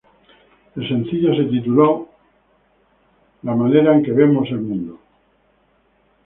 El sencillo se título "The Way We See The World".